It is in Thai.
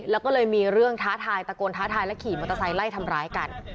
แล้วก็เลยมีเรื่องท้าทายตะโกนท้าทายและขี่มอเตอร์ไซค์ไล่ทำร้ายกัน